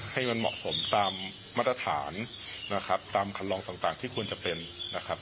ให้มันเหมาะสมตามมาตรฐานนะครับตามคันลองต่างที่ควรจะเป็นนะครับ